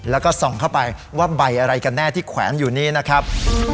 แล้วก็ส่องเข้าไปว่าใบอะไรกันแน่ที่แขวนอยู่นี้นะครับ